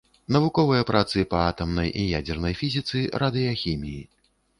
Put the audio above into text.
Навуковыя працы па атамнай і ядзернай фізіцы, радыяхіміі.